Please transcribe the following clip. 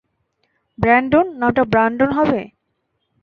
Brandon, নামটা Brandon হবে?